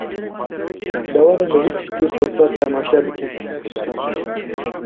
De werin li vî tiştî sosret temaşe bikin